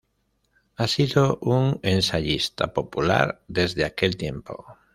Ha sido un ensayista popular desde aquel tiempo.